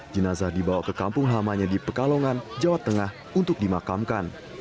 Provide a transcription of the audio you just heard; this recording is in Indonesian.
jenazah dibawa ke kampung hamanya di pekalongan jawa tengah untuk dimakamkan